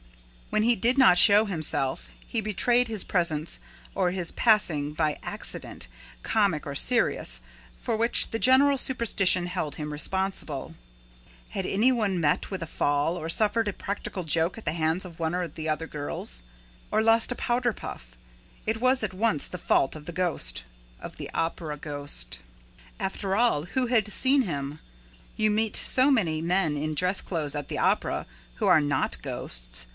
When he did not show himself, he betrayed his presence or his passing by accident, comic or serious, for which the general superstition held him responsible. Had any one met with a fall, or suffered a practical joke at the hands of one of the other girls, or lost a powderpuff, it was at once the fault of the ghost, of the Opera ghost. After all, who had seen him? You meet so many men in dress clothes at the Opera who are not ghosts.